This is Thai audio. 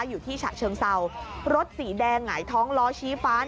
อยู่ที่ฉะเชิงเศร้ารถสีแดงหงายท้องล้อชี้ฟ้า